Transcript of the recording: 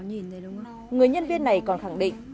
người nhân viên này còn khẳng định